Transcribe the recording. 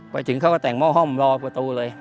ไปถึงเขาก็แต่งห้อห้อมรอประตูเลย